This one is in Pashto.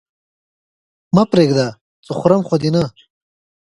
مه پرېږده! څه خورم خو دې نه؟